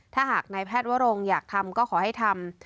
ถ้าหากนายแพทย์วรงอยากทำก็ขอให้ทำ